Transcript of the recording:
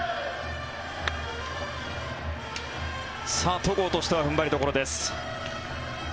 戸郷としては踏ん張りどころです。